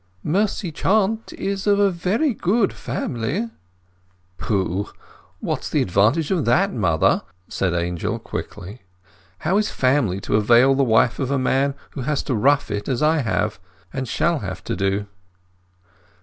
"Mercy Chant is of a very good family." "Pooh!—what's the advantage of that, mother?" said Angel quickly. "How is family to avail the wife of a man who has to rough it as I have, and shall have to do?"